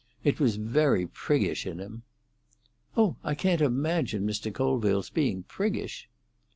It was very priggish in him." "Oh, I can't imagine Mr. Colville's being priggish!"